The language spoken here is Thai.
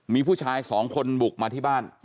มีผู้ชายสองคนบุกมาที่บ้าน